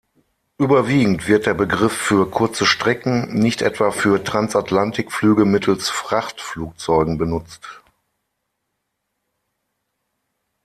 Überwiegend wird der Begriff für kurze Strecken, nicht etwa für Transatlantikflüge mittels Frachtflugzeugen benutzt.